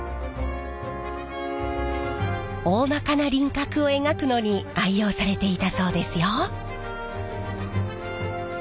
おおまかな輪郭を描くのに愛用されていたそうですよ！